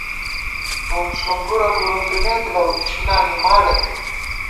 بُوم سُونگُورہ گُورُونزِمېت لؤ ، اِشِلانی مالہ تئ